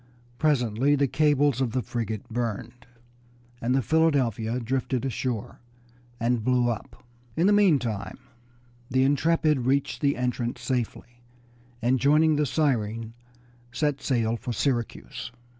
Presently the cables of the frigate burned, and the Philadelphia drifted ashore and blew up. In the meantime the Intrepid reached the entrance safely, and joining the Siren set sail for Syracuse.